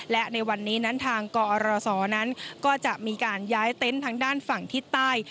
และในวันนี้นั้นทางกอรศนั้นก็จะมีการย้ายเต็นต์ทางด้านฝั่งทิศใต้